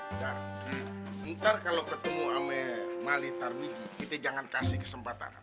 ntar ntar kalau ketemu amel mali tarmi kita jangan kasih kesempatan